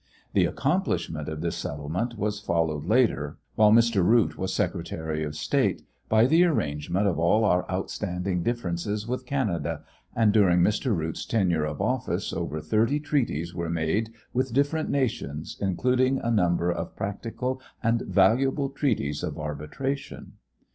The accomplishment of this settlement was followed later, while Mr. Root was Secretary of State, by the arrangement of all our outstanding difference with Canada, and during Mr. Root's tenure of office over thirty treaties were made with different nations, including a number of practical and valuable treaties of arbitration.